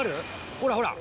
ほらほら。